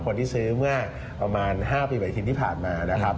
คนที่ซื้อเมื่อประมาณ๕ปีใหม่อาทิตย์ที่ผ่านมานะครับ